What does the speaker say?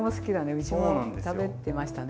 うちも食べてましたね